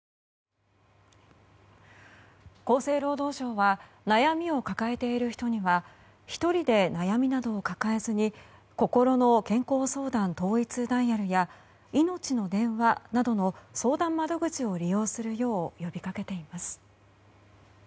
厚生労働省は悩みを抱えている人には１人で悩みなどを抱えずにこころの健康相談統一ダイヤルやいのちの電話などの相談窓口を利用するよう呼びかけています。